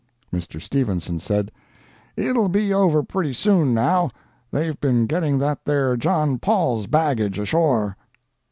Mr. Stephenson said, "It'll be over pretty soon, now—they've been getting that there John Paul's baggage ashore."